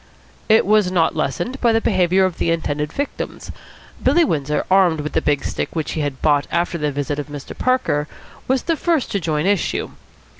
It was not lessened by the behaviour of the intended victims. Billy Windsor, armed with the big stick which he had bought after the visit of Mr. Parker, was the first to join issue.